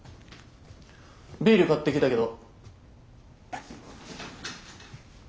ビール買ってきたけど。